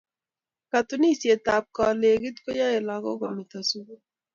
katunisiet ap kolekit koyae lakok kometo sukul